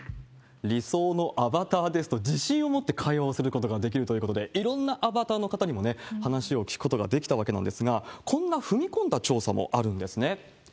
理想のアバターですと、自信を持って会話をすることができるということで、いろんなアバターの方にも話を聞くことができたわけなんですが、こんな踏み込んだ調査もあるんですね。